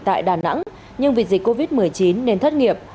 tại đà nẵng nhưng vì dịch covid một mươi chín nên thất nghiệp